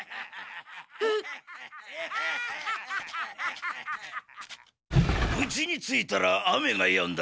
・うちに着いたら雨がやんだな。